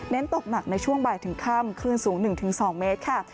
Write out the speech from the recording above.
ตกหนักในช่วงบ่ายถึงค่ำคลื่นสูง๑๒เมตรค่ะ